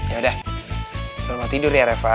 yaudah selamat tidur ya refa